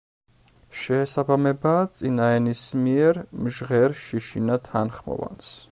შეესაბამება წინაენისმიერ მჟღერ შიშინა თანხმოვანს.